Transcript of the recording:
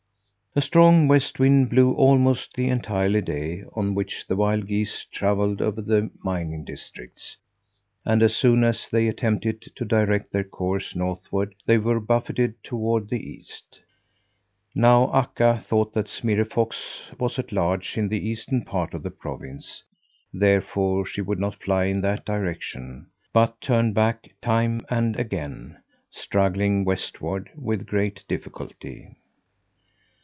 A strong west wind blew almost the entire day on which the wild geese travelled over the mining districts, and as soon as they attempted to direct their course northward they were buffeted toward the east. Now, Akka thought that Smirre Fox was at large in the eastern part of the province; therefore she would not fly in that direction, but turned back, time and again, struggling westward with great difficulty.